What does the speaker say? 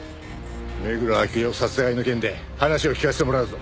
目黒昭夫殺害の件で話を聞かせてもらうぞ。